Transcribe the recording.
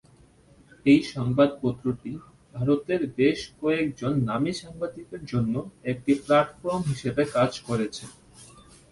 এই সংবাদপত্রটি ভারতের বেশ কয়েকজন নামী সাংবাদিকের জন্য একটি প্লাটফর্ম হিসাবে কাজ করেছে।